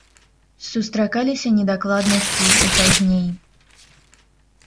Сустракаліся недакладнасці і пазней.